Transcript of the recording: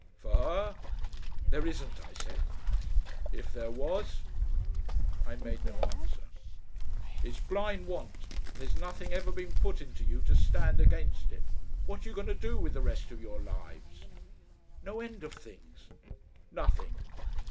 "For her?" "There isn't," I said. "If there was?" I made no answer. "It's blind Want. And there's nothing ever been put into you to stand against it. What are you going to do with the rest of your lives?" "No end of things." "Nothing."